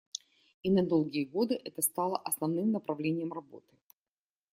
И на долгие годы это стало основным направлением работы.